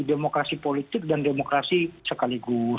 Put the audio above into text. demokrasi politik dan demokrasi sekaligus